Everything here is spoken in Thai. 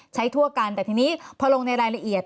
ทั่วกันแต่ทีนี้พอลงในรายละเอียด